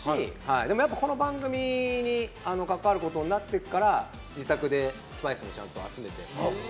でも、この番組に関わることになってから自宅でスパイスもちゃんと集めて。